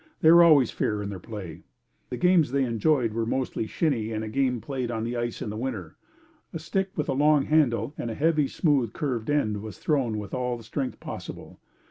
They were always fair in their play. The games they enjoyed most were "Shinny" and a game played on the ice in the winter. A stick with a long handle and heavy smooth curved end was thrown with all the strength possible.